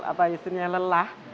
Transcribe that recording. apa isinya lelah